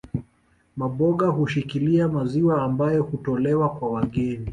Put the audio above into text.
Maboga hushikilia maziwa ambayo hutolewa kwa wageni